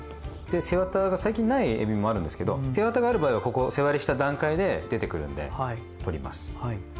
で背わたが最近ないえびもあるんですけど背わたがある場合はここ背割りした段階で出てくるんで取ります。